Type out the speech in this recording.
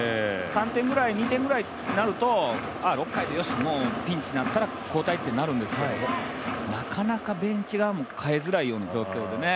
３点ぐらい、２点ぐらいとなると、６回ぐらいでよし、ピンチになったら交代となるんですけどなかなかベンチ側も代えづらいような状態でね。